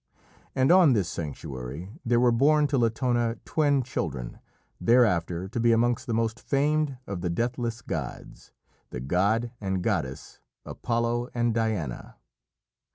And on this sanctuary there were born to Latona twin children, thereafter to be amongst the most famed of the deathless gods the god and goddess, Apollo and Diana.